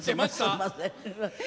すみません。